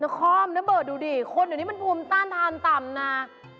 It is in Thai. น้าคอมน้าเบิร์ดดูดิคนเดี๋ยวนี้มันภูมิต้านทานมาก